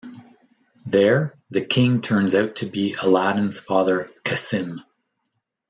There, the king turns out to be Aladdin's father Cassim.